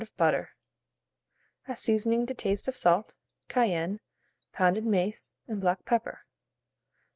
of butter, a seasoning to taste of salt, cayenne, pounded mace, and black pepper.